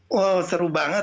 wow seru banget